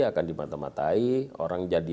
akan dimata matai orang jadi